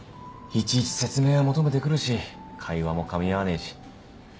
いちいち説明を求めてくるし会話もかみ合わねえし。